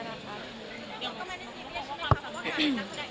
ก็ไม่ได้คิดว่าในชีวิตของขวัญ